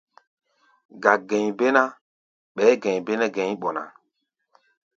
Gák-gɛ̧i̧ bé ná, ɓɛɛ́ gɛ̧i̧ bé nɛ́ gɛ̧i̧ ɓɔ ná.